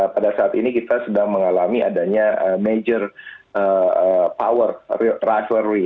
pada saat ini kita sedang mengalami adanya major power triary